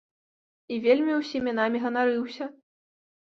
І вельмі ўсімі намі ганарыўся.